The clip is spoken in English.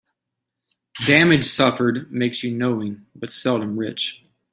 Damage suffered makes you knowing, but seldom rich.